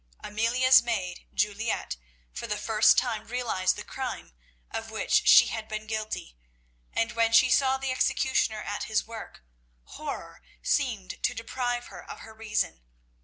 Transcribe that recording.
Amelia's maid, Juliette, for the first time realised the crime of which she had been guilty, and when she saw the executioner at his work, horror seemed to deprive her of her reason.